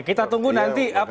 kita tunggu nanti